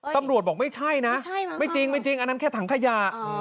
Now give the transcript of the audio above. ตำรวจบอกว่าไม่ใช่นะไม่จริงอันนั้นแค่ถั่งขยา